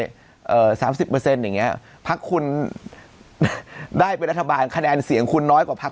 อย่างเงี้ยภาคคุณได้เป็นรัฐบาลแค่และเพื่อทายนกใหม่๖๒อีก